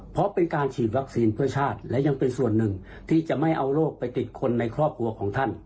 เพราะเป็นการฉีดวัคซีนเพื่อชาติและยังเป็นส่วนหนึ่งที่จะไม่เอาโรคไปติดคนในครอบครัวของท่าน